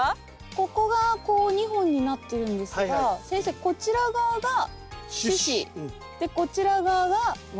ここがこう２本になっているんですが先生こちら側が主枝でこちら側がわき芽ですよね。